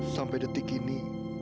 sampai detik ini